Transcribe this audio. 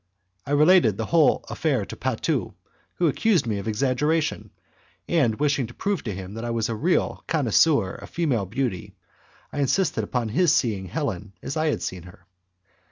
I related the whole affair to Patu, who accused me of exaggeration; and wishing to prove to him that I was a real connoisseur of female beauty I insisted upon his seeing Helene as I had seen her.